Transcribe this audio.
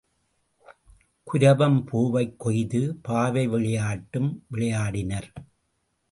குரவம் பூவைக் கொய்து, பாவை விளையாட்டும் விளையாடினர்.